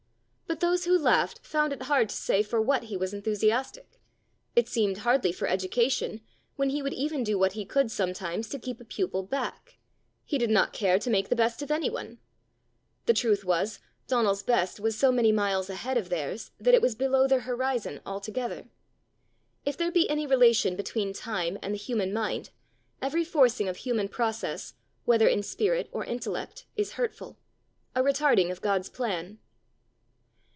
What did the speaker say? But those who laughed found it hard to say for what he was enthusiastic. It seemed hardly for education, when he would even do what he could sometimes to keep a pupil back! He did not care to make the best of any one! The truth was, Donal's best was so many miles ahead of theirs, that it was below their horizon altogether. If there be any relation between time and the human mind, every forcing of human process, whether in spirit or intellect, is hurtful, a retarding of God's plan.